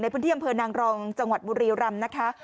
ในพื้นที่ดำเผินนางรองจังหวัดบุรีรัมน์นะคะ